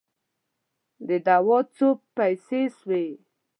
د دوا څو پیسې سوې؟